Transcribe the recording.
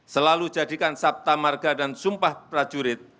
selalu jadikan saptamarga dan sumpah prajurit